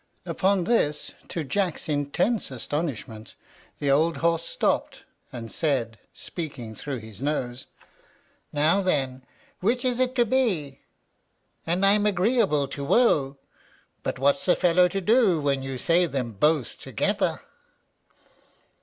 Upon this, to Jack's intense astonishment, the old horse stopped, and said, speaking through his nose, "Now, then, which is it to be? I'm willing to gee, and I'm agreeable to wo; but what's a fellow to do when you say them both together?"